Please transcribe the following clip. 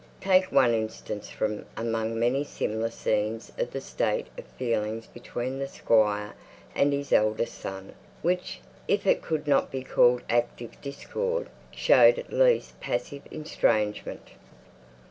Take one instance from among many similar scenes of the state of feeling between him and his eldest son, which, if it could not be called active discord, showed at least passive estrangement.